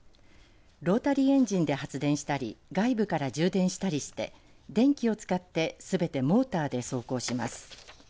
ロータリーエンジンで発電したり外部から充電したりして電気を使ってすべてモーターで走行します。